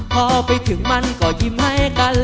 พอไปถึงมันก็ยิ้มให้กัน